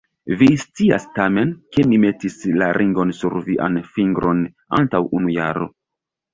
Vi scias tamen, ke mi metis la ringon sur vian fingron antaŭ unu jaro.